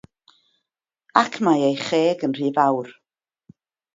Ac mae ei cheg yn rhy fawr.